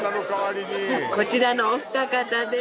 こちらのお二方です